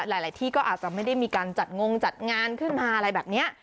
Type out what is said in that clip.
หลายที่ก็อาจจะไม่ได้มีการจัดงงจัดงานขึ้นมาอะไรแบบนี้